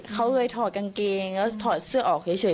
เขาเลยถอดกางเกงแล้วถอดเสื้อออกเฉย